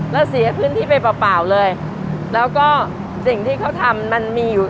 แล้วเสียพื้นที่ไปเปล่าเปล่าเลยแล้วก็สิ่งที่เขาทำมันมีอยู่